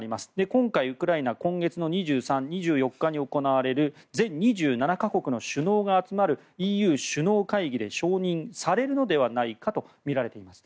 今回、ウクライナ今月２３、２４日に行われる全２７か国の首脳が集まるＥＵ首脳会議で承認されるのではないかとみられています。